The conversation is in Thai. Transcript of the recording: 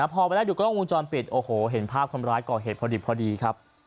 พอไปได้ดูกล้องวงจรปิดโอ้โหเห็นภาพคนร้ายก่อเหตุพอดีครับ